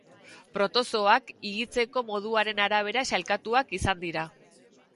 Protozooak higitzeko moduaren arabera sailkatuak izan dira.